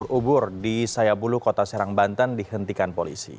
ubur ubur di sayabulu kota serang banten dihentikan polisi